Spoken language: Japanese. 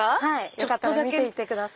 よかったら見ていってください。